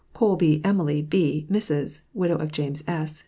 COLBY EMILY B. Mrs., widow James S.